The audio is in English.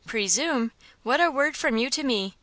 "Presume! What a word from you to me!